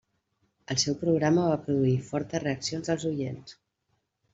El seu programa va produir fortes reaccions dels oients.